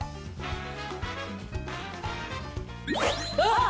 あっ！